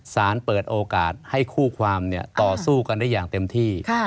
เปิดโอกาสให้คู่ความต่อสู้กันได้อย่างเต็มที่